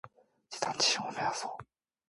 地産地消を目指そう。